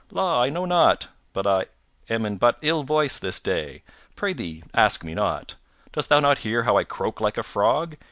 La, I know not, I am but in an ill voice this day; prythee ask me not; dost thou not hear how I croak like a frog?